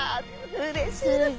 うれしいですね。